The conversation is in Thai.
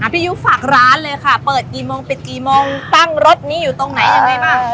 ยุฝากร้านเลยค่ะเปิดกี่โมงปิดกี่โมงตั้งรถนี้อยู่ตรงไหนยังไงบ้าง